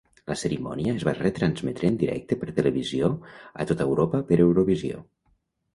La cerimònia es va retransmetre en directe per televisió a tota Europa per Eurovisió.